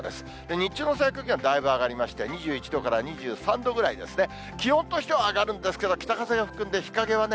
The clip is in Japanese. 日中の最高気温はだいぶ上がりまして、２１度から２３度ぐらいですね。